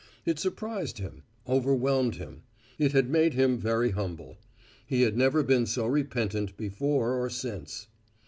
It surprised him; overwhelmed him. It had made him very humble. He had never been so repentant before or since.